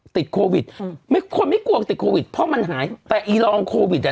ติดโควิดอืมไม่คนไม่กลัวติดโควิดเพราะมันหายแต่อีรองโควิดอ่ะ